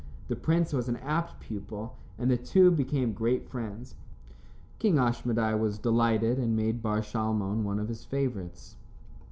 The prince was an apt pupil, and the two became great friends. King Ashmedai was delighted and made Bar Shalmon one of his favorites.